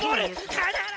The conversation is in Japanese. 必ず！